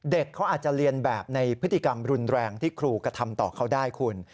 เด็กเขาอาจจะเรียนแบบในพฤติกรรมรุนแรงที่ครูกระทำต่อเขาได้คุณ